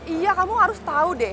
iya kamu harus tahu deh